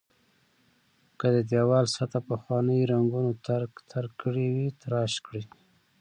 که د دېوال سطحه پخوانیو رنګونو ترک ترک کړې وي تراش کړئ.